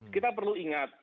kita perlu ingat